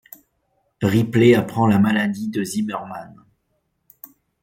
Ripley apprend la maladie de Zimmermann.